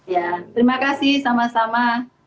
ya terima kasih sama sama